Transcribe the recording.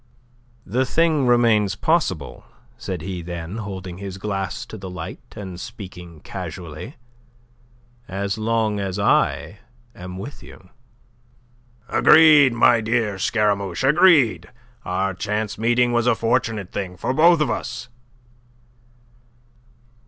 "The thing remains possible," said he then, holding his glass to the light, and speaking casually, "as long as I am with you." "Agreed, my dear Scaramouche, agreed. Our chance meeting was a fortunate thing for both of us."